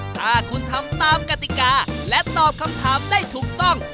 ถ้าคุณทำตามกติกาและตอบคำถามได้ถูกต้อง